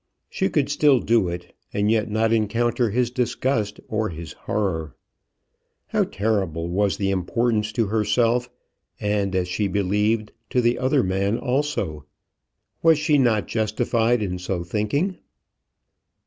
She could still do it, and yet not encounter his disgust or his horror. How terrible was the importance to herself, and, as she believed, to the other man also. Was she not justified in so thinking?